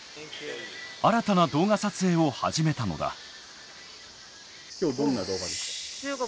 新たな動画撮影を始めたのだ。